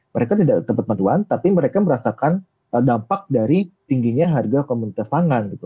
mereka tidak dapat bantuan tapi mereka merasakan dampak dari tingginya harga komunitas pangan gitu